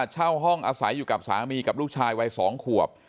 เช่าห้องอาศัยอยู่กับสามีกับลูกชายวัย๒ขวบ